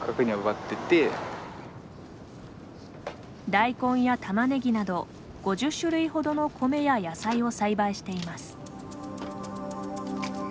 大根やたまねぎなど５０種類ほどの米や野菜を栽培しています。